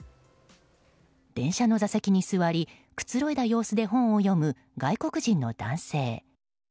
電車の座席に座りくつろいだ様子で本を読む外国人の男性。